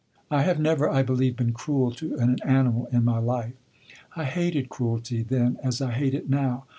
I have never, I believe, been cruel to an animal in my life. I hated cruelty then as I hate it now.